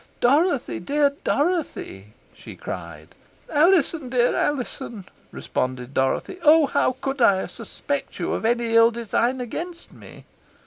"Dorothy, dear Dorothy!" she cried. "Alizon, dear Alizon!" responded Dorothy. "Oh! how could I suspect you of any ill design against me!"